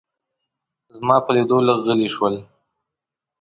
زما په لیدو لږ غلي شول.